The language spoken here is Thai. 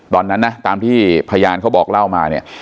ตอนนั้นนะตามที่พยานเขาบอกเล่ามาเนี่ย